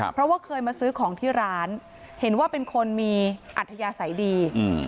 เพราะว่าเคยมาซื้อของที่ร้านเห็นว่าเป็นคนมีอัธยาศัยดี